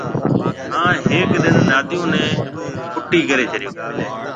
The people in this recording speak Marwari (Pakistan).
ھان ھيَََڪ ڏن ناديون نيَ ڦٽيَ ڪرَي ڇڏو